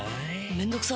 面倒くさ！